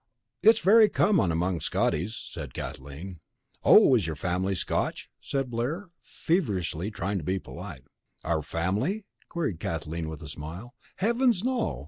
"It's very common among Scotties," said Kathleen. "Oh, is your family Scotch?" said Blair, feverishly trying to be polite. "Our family?" queried Kathleen with a smile. "Heavens, no!